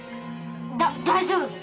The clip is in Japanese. だ大丈夫ぞ！